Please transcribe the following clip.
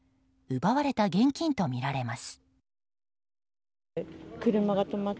奪われた現金とみられます。